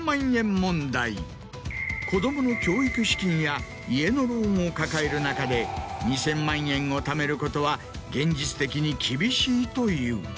子供の教育資金や家のローンを抱える中で２０００万円をためることは現実的に厳しいという。